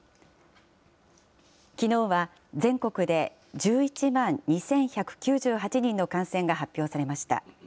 きのうは全国で１１万２１９８人の感染が発表されました。